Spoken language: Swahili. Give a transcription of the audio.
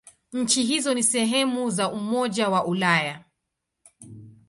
Nchi hizo si sehemu za Umoja wa Ulaya.